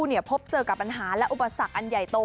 พบเจอกับปัญหาและอุปสรรคอันใหญ่โต